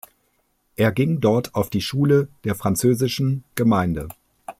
Er ging dort auf die Schule der Französischen Gemeinde.